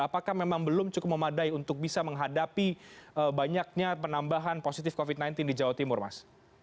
apakah memang belum cukup memadai untuk bisa menghadapi banyaknya penambahan positif covid sembilan belas di jawa timur mas